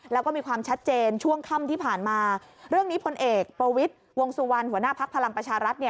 แล้วก็มีความชัดเจนช่วงค่ำที่ผ่านมาเรื่องนี้พลเอกประวิทย์วงสุวรรณหัวหน้าภักดิ์พลังประชารัฐ